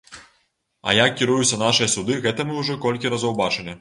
А як кіруюцца нашыя суды, гэта мы ўжо колькі разоў бачылі.